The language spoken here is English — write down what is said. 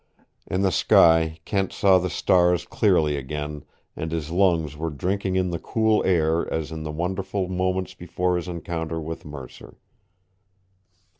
In the sky Kent saw the stars clearly again, and his lungs were drinking in the cool air as in the wonderful moments before his encounter with Mercer.